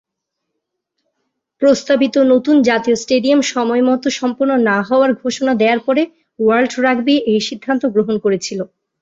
প্রস্তাবিত নতুন জাতীয় স্টেডিয়াম সময়মতো সম্পন্ন না হওয়ার ঘোষণা দেওয়ার পরে ওয়ার্ল্ড রাগবি এই সিদ্ধান্ত গ্রহণ করেছিল।